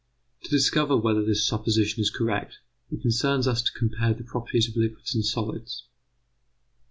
To discover whether this supposition is correct, it concerns us to compare the properties of liquids and solids.